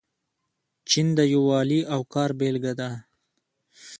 چین د یووالي او کار بیلګه ده.